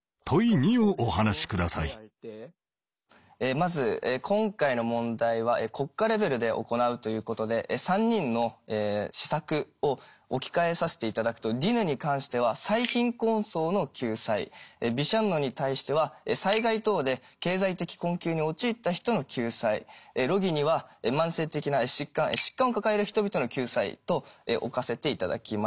まず今回の問題は国家レベルで行うということで３人の施策を置き換えさせていただくとディヌに関しては最貧困層の救済ビシャンノに対しては災害等で経済的困窮に陥った人の救済ロギニは慢性的な疾患疾患を抱える人々の救済と置かせていただきます。